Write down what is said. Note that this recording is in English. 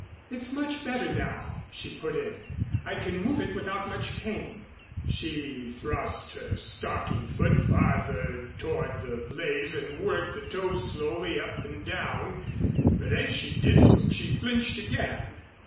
"It's much better now," she put in. "I can move it without much pain." She thrust her stockinged foot farther toward the blaze and worked the toes slowly up and down, but as she did so she flinched again.